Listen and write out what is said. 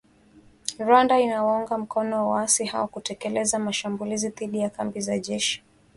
Rwanda inawaunga mkono waasi hao kutekeleza mashambulizi dhidi ya kambi za jeshi